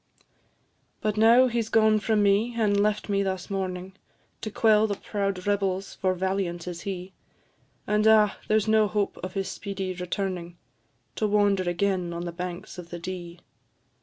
But now he 's gone from me, and left me thus mourning, To quell the proud rebels for valiant is he; And, ah! there's no hope of his speedy returning, To wander again on the banks of the Dee.